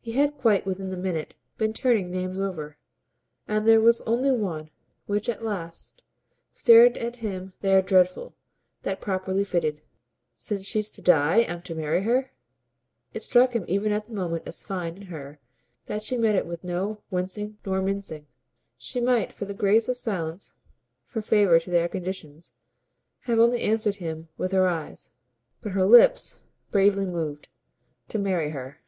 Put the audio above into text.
He had quite, within the minute, been turning names over; and there was only one, which at last stared at him there dreadful, that properly fitted. "Since she's to die I'm to marry her?" It struck him even at the moment as fine in her that she met it with no wincing nor mincing. She might for the grace of silence, for favour to their conditions, have only answered him with her eyes. But her lips bravely moved. "To marry her."